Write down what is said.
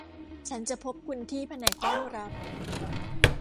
ฉันจะพบคุณที่แผนกต้อนรับ